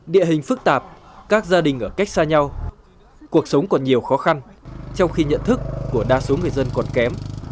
địa hình phức tạp các gia đình ở cách xa nhau cuộc sống còn nhiều khó khăn trong khi nhận thức của đa số người dân còn kém